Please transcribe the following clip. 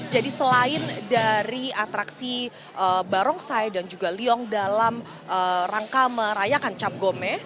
jadi selain dari atraksi barongsai dan juga liong dalam rangka merayakan cap gome